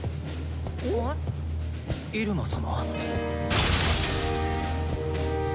入間様？